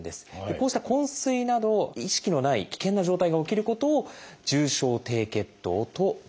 こうした昏睡など意識のない危険な状態が起きることを「重症低血糖」といいます。